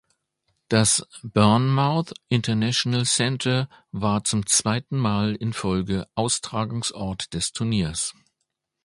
Das "Bournemouth International Centre" war zum zweiten Mal in Folge Austragungsort des Turniers.